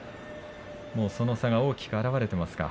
その差が大きく表れてますか。